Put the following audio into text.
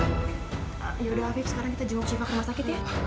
yaudah afif sekarang kita jemput siva ke rumah sakit ya